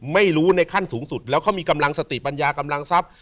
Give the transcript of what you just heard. ในขั้นสูงสุดแล้วเขามีกำลังสติปัญญากำลังทรัพย์